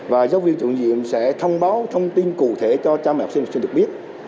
và giáo viên trụ nhiệm sẽ thông báo thông tin cụ thể cho trang mạng học sinh được biết